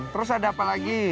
terus ada apa lagi